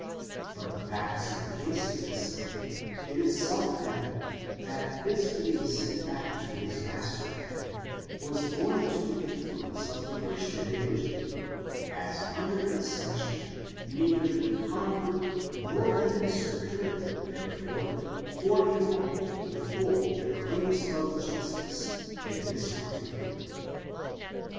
From the facts of the case of this slave, it is self evident, that his being sent back to his master again, was owing to the influence of the Christian religion; •8, under its sanction, neither the convert nor the ^V^^l^^^h^M^h^ 300 ORIGIN, CHARACTER, AND minister could, therefore, for a moment withhold the claims of justice in this particular.